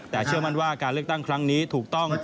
แต่เชื่อมั่นว่าการเลือกตั้งครั้งนี้ถูกต้อง